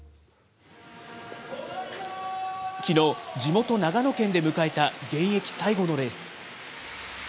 きのう、地元、長野県で迎えた現役最後のレース。